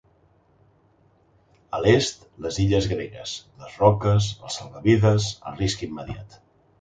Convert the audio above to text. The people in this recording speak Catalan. A l’est, les illes gregues: les roques, el salvavides, el risc immeditat.